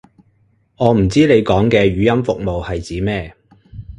我唔知你講嘅語音服務係指咩